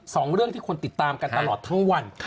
สองเรื่องที่คนติดตามกันตลอดทั้งวัน